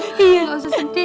masih yang sabar ya